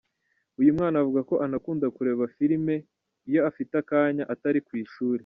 Uyu mwana avuga ko anakunda kureba filme iyo afite akanya atari ku ishuri.